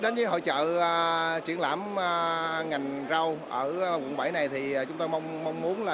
đến với hội trợ triển lãm ngành rau ở quận bảy này thì chúng tôi mong muốn là